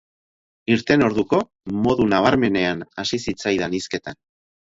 Irten orduko, modu nabarmenean hasi zitzaidan hizketan.